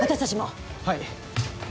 はい。